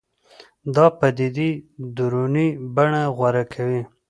دا پدیدې دروني بڼه غوره کوي